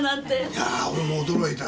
いやー俺も驚いたよ。